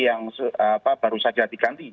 yang baru saja diganti